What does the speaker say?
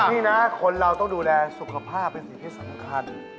นี่นะคนเราต้องดูแลสุขภาพเป็นสิ่งที่สำคัญ